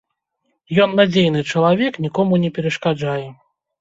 Ён надзейны чалавек, нікому не перашкаджае.